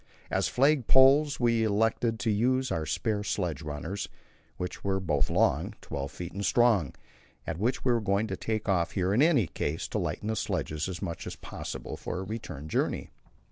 As flag poles we elected to use our spare sledge runners, which were both long 12 feet and strong, and which we were going to take off here in any case, to lighten the sledges as much as possible for the return journey.